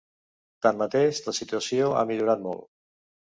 Tanmateix, la situació ha millorat molt.